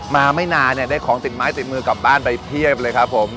มาไม่นานเนี่ยได้ของติดไม้ติดมือกลับบ้านไปเพียบเลยครับผม